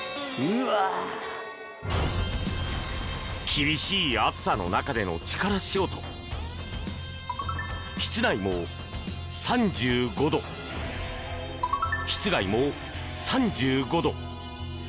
厳しい暑さの中での力仕事室内も３５度、室外も３５度。